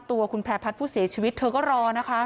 ตัวคุณแพร่พัฒน์ผู้เสียชีวิตเธอก็รอนะคะ